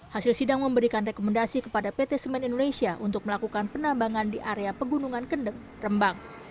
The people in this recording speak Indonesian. hasil sidang memberikan rekomendasi kepada pt semen indonesia untuk melakukan penambangan di area pegunungan kendeng rembang